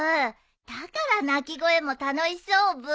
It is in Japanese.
だから鳴き声も楽しそうブー。